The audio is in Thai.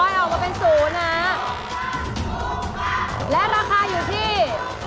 อ๋อเอามาเป็น๐นะและราคาอยู่ที่๕๐